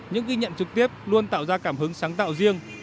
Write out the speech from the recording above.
những ghi nhận trực tiếp luôn tạo ra cảm hứng sáng tạo riêng